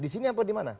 di sini apa di mana